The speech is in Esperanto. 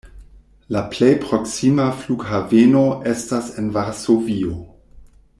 La plej proksima flughaveno estas en Varsovio.